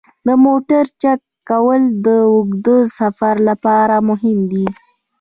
د موټر چک کول د اوږده سفر لپاره مهم دي.